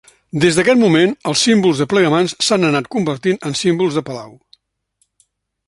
Des d'aquest moment, els símbols de Plegamans s'han anat convertint en símbols de Palau.